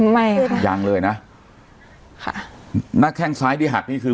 ไม่ค่ะยังเลยนะค่ะหน้าแข้งซ้ายที่หักนี่คือ